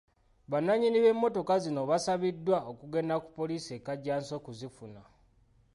Bannanyini b'emotoka zino basaabiddwa okugenda ku poliisi e Kajjansi okuzifuna.